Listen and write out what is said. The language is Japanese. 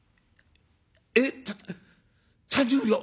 「えっ３０両？